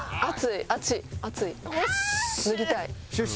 「脱ぎたい」。